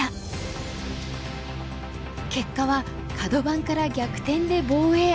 結果はカド番から逆転で防衛。